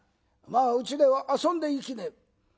まあうちでは遊んでいきねえ」。